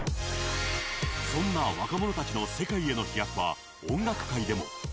そんな若者たちの世界への飛躍は音楽界でも。